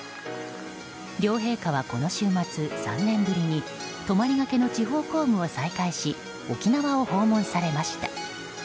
両陛下はこの週末、３年ぶりに泊りがけの地方公務を再開し沖縄を訪問されました。